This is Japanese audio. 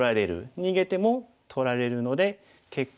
逃げても取られるので結果